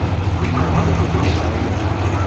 তিনি আমাকে দেখিতে চাহিলেন।